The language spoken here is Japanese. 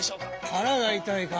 腹が痛いか。